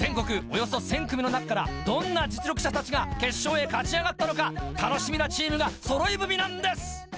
およそ１０００組の中からどんな実力者たちが決勝へ勝ち上がったのか楽しみなチームがそろい踏みなんです！